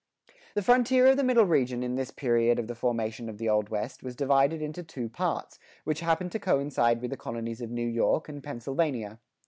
[79:1] The frontier of the Middle region in this period of the formation of the Old West, was divided into two parts, which happen to coincide with the colonies of New York and Pennsylvania.